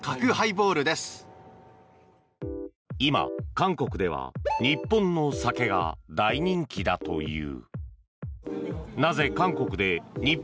今、韓国では日本の酒が大人気だという。